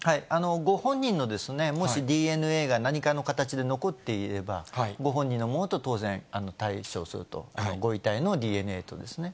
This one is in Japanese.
ご本人のもしＤＮＡが何かの形で残っていれば、ご本人のものと当然、対照するとご遺体のＤＮＡとですね。